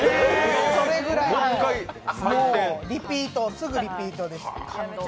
それぐらい、すぐリピートです。